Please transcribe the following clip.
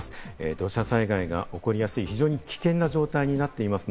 土砂災害が起こりやすい非常に危険な状態になっています。